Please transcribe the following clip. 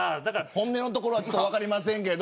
本音のところは分かりませんけど。